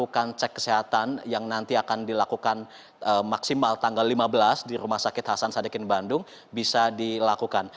melakukan cek kesehatan yang nanti akan dilakukan maksimal tanggal lima belas di rumah sakit hasan sadikin bandung bisa dilakukan